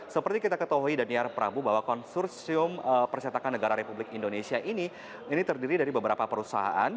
seperti kita ketahui dan nyarap prabu bahwa konsursium persetakan negara republik indonesia ini terdiri dari beberapa perusahaan